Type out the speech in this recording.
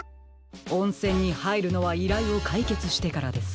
おんせんにはいるのはいらいをかいけつしてからです。